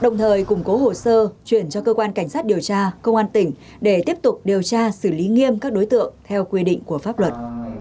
đồng thời củng cố hồ sơ chuyển cho cơ quan cảnh sát điều tra công an tỉnh để tiếp tục điều tra xử lý nghiêm các đối tượng theo quy định của pháp luật